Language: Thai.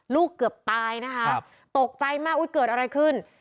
เกือบตายนะคะตกใจมากอุ๊ยเกิดอะไรขึ้น